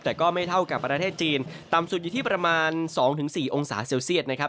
แต่ก็ไม่เท่ากับประเทศจีนต่ำสุดอยู่ที่ประมาณ๒๔องศาเซลเซียตนะครับ